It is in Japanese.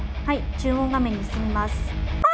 はい注文画面に進みます。